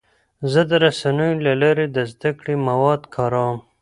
زه د رسنیو له لارې د زده کړې مواد کاروم.